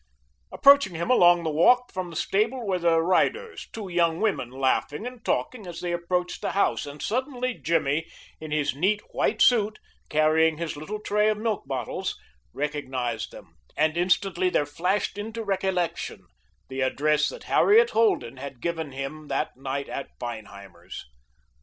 Approaching him along the walk from the stable were the riders two young women, laughing and talking as they approached the house, and suddenly Jimmy, in his neat white suit, carrying his little tray of milk bottles, recognized them, and instantly there flashed into recollection the address that Harriet Holden had given him that night at Feinheimer's.